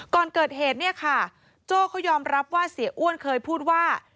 ก่อนเกิดเหตุเนี่ยค่ะโจ้เขายอมรับว่าเสียอ้วนเคยพูดว่า